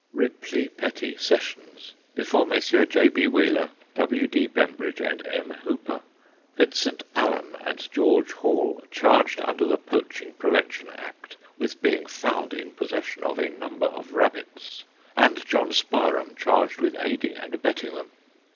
Ripley Petty Sessions. Before Messrs. J. B. Wheeler, W. D. Bembridge, and M. Hooper. Vincent Allen and George Hall, charged under the Poaching Prevention Act with being found in possession of a number of rabbits, and John Sparham, charged with aiding and abetting them.